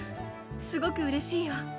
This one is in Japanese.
すごくうれしいよ